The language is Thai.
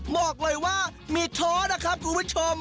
บอกเลยว่ามีท้อนะครับคุณผู้ชม